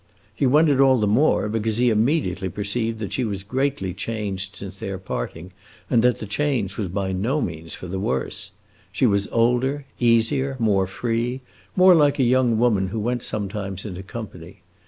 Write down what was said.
He wondered all the more, because he immediately perceived that she was greatly changed since their parting, and that the change was by no means for the worse. She was older, easier, more free, more like a young woman who went sometimes into company.